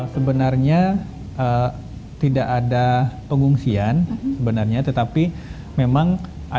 sebenarnya tidak ada pengungsian tetapi memang ada beban